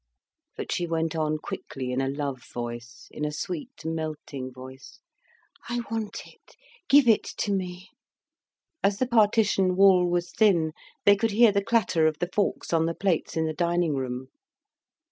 But she went on quickly in a love voice; in a sweet, melting voice, "I want it; give it to me." As the partition wall was thin, they could hear the clatter of the forks on the plates in the dining room.